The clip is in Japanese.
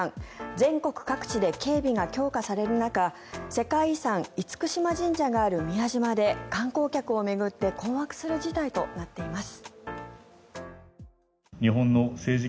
全国各地で警備が強化される中世界遺産、厳島神社がある宮島で観光客を巡って困惑する事態となっています。